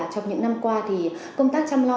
trong những năm qua thì công tác chăm lo